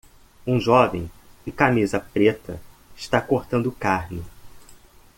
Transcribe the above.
Um jovem de camisa preta está cortando carne.